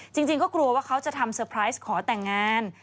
จริงก็กลัวว่าเขาจะทำเซอร์ไพรส์ขอแต่งงาน